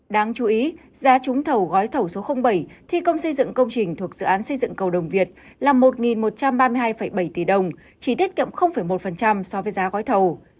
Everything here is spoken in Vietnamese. đáng chú ý giá trúng thầu gói thầu số bảy thi công xây dựng công trình thuộc dự án xây dựng cầu đồng việt là một một trăm ba mươi hai bảy tỷ đồng chỉ tiết kiệm một so với giá gói thầu